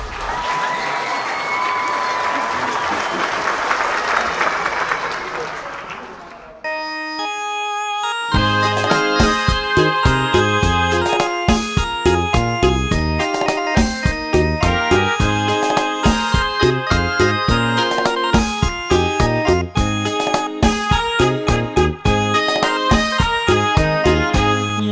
โปรดติดตามผู้ชอบกำลังบังเกิด